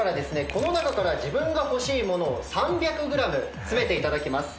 この中から自分が欲しい物を３００ｇ詰めていただきます。